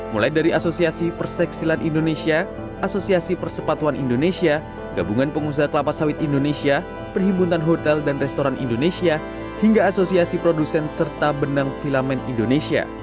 mulai dari asosiasi perseksilan indonesia asosiasi persepatuan indonesia gabungan pengusaha kelapa sawit indonesia perhimpunan hotel dan restoran indonesia hingga asosiasi produsen serta benang filamen indonesia